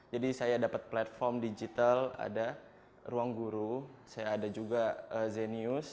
jadi saya dapat platform digital ada ruang guru saya ada juga zenius